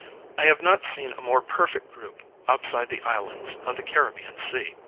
I have not seen a more perfect group outside the islands of the Caribbean Sea.